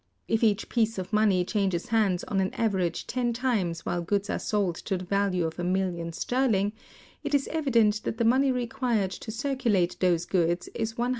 If each piece of money changes hands on an average ten times while goods are sold to the value of a million sterling, it is evident that the money required to circulate those goods is £100,000.